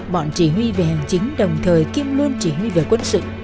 bọn chỉ huy về hành chính đồng thời kiêm luôn chỉ huy về quân sự